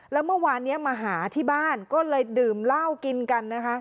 แล้วเมื่อวานนี้มาหาที่บ้านก็เลยดื่มเหล้ากินกันนะคะ